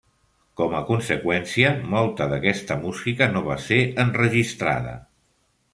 Com a conseqüència, molta d'aquesta música no va ser enregistrada.